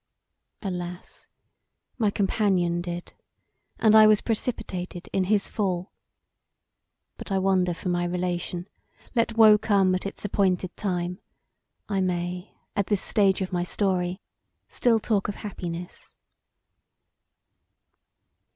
Alas! my companion did, and I was precipitated in his fall. But I wander from my relation let woe come at its appointed time; I may at this stage of my story still talk of happiness.